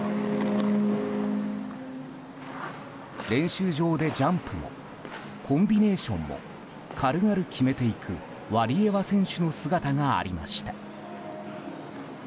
練習場で、ジャンプもコンビネーションも軽々決めていくワリエワ選手の姿がありました。